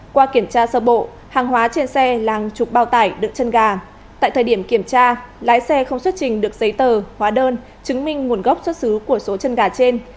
qua kiểm tra sơ bộ hàng hóa trên xe làng trục bao tải đựng chân gà tại thời điểm kiểm tra lái xe không xuất trình được giấy tờ hóa đơn chứng minh nguồn gốc xuất xứ của số chân gà trên